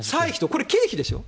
これ、経費でしょ。